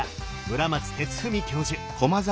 村松哲文教授。